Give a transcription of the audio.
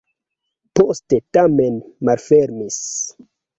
Poste tamen malfermis.